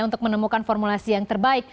untuk menemukan formulasi yang terbaik